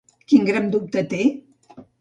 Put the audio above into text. Quin gran dubte té?